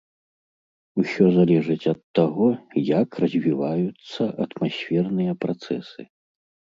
Усё залежыць ад таго, як развіваюцца атмасферныя працэсы.